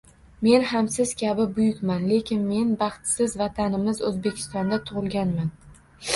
Men ham siz kabi buyukman, lekin men baxtsiz Vatanimiz O'zbekistonda tug'ilganman